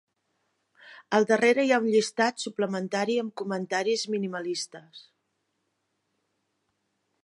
Al darrera hi ha un llistat suplementari amb comentaris minimalistes.